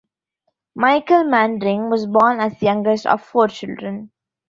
Michael Manring was born as youngest of four children.